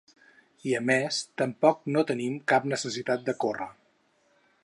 I a més, tampoc no tenim cap necessitat de córrer.